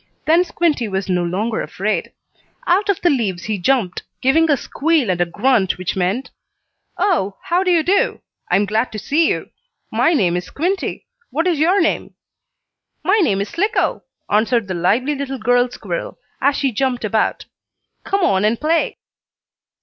Then Squinty was no longer afraid. Out of the leaves he jumped, giving a squeal and a grunt which meant: "Oh, how do you do? I am glad to see you. My name is Squinty. What is your name?" "My name is Slicko," answered the lively little girl squirrel, as she jumped about. "Come on and play!"